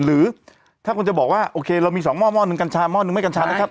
หรือถ้าคนจะบอกว่าโอเคเรามี๒หม้อ๑กัญชา๑ไม่กัญชานะครับ